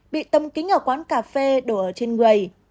bị tâm kính ở quán cà phê đổ ở trên người